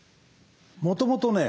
もともとね